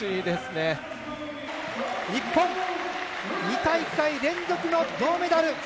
日本、２大会連続の銅メダル！